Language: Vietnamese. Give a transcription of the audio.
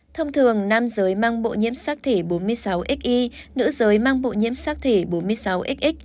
thông thường nam giới mang bộ nhiễm sắc thể bốn mươi sáu xi nữ giới mang bộ nhiễm sắc thể bốn mươi sáu x